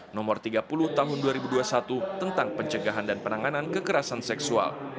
nomor tiga puluh tahun dua ribu dua puluh satu tentang pencegahan dan penanganan kekerasan seksual